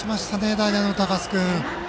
代打の高須君。